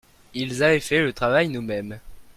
Ils avaient fait le travail nous-mêmes.